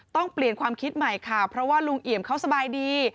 ต้องเปลี่ยนความคิดใหม่ค่ะเพราะว่าลุงเอี่ยมเขาสบายดี